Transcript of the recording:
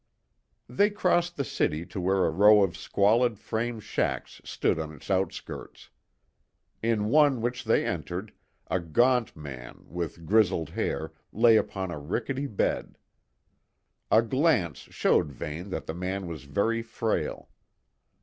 They crossed the city to where a row of squalid frame shacks stood on its outskirts. In one which they entered, a gaunt man, with grizzled hair lay upon a rickety bed. A glance showed Vane that the man was very frail.